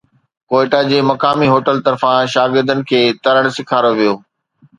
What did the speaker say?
ڪوئيٽا جي مقامي هوٽل طرفان شاگردن کي ترڻ سيکاريو ويو